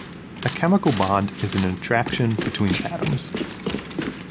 A chemical bond is an attraction between atoms.